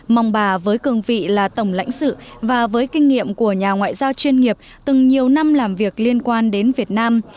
mong bà với cường vị là tổng lãnh sự và với kinh nghiệm của nhà ngoại giao chuyên nghiệp từng nhiều năm làm việc liên quan đến việt nam